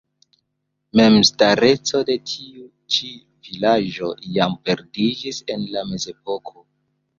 Memstareco de tiu ĉi vilaĝo jam perdiĝis en la Mezepoko.